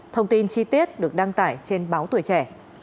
thông tin chi tiết được đăng tải trên báo tuổi trẻ